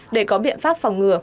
để có biện pháp phòng ngừa